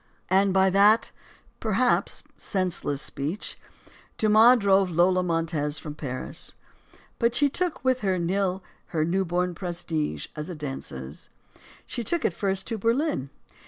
And by that (perhaps) senseless speech, Dumas drove Lola Montez from Paris. But she took with her nil her newborn prestige as a danseuse. She took it first to Berlin.